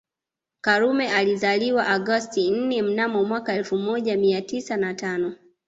Karume alizaliwa Agosti nne mnamo mwaka elfu moja mia tisa na tano